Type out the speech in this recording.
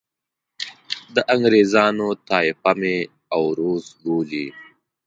د انګریزانو طایفه مې اوروس بولي.